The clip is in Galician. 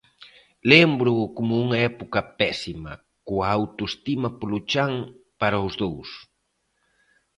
Lémbroo como unha época pésima, coa autoestima polo chan para os dous.